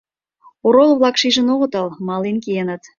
Орол-влак шижын огытыл, мален киеныт.